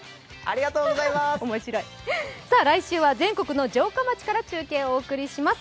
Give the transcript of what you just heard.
来週は全国の城下町から中継をお送りします。